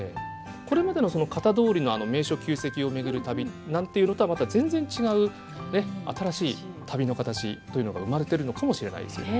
これまでのその型どおりの名所旧跡をめぐる旅なんていうのとはまた全然違う新しい旅の形というのが生まれてるのかもしれないですね。